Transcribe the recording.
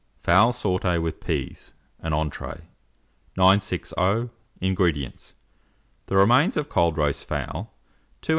FOWL SAUTE WITH PEAS (an Entree). 960. INGREDIENTS. The remains of cold roast fowl, 2 oz.